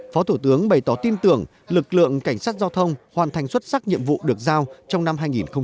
phó thủ tướng bày tỏ tin tưởng lực lượng cảnh sát giao thông hoàn thành xuất sắc nhiệm vụ được giao trong năm hai nghìn hai mươi